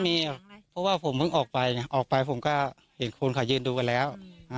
เพราะว่าผมเพิ่งออกไปออกไปผมก็เห็นคนเขายืนดูกันแล้ว